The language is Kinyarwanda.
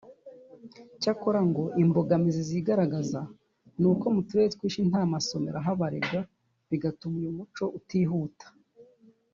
cyakora ngo imbogamizi zigaragaza nuko mu turere twinshi nta masomero ahabarirwa bigatuma uyu muco utihuta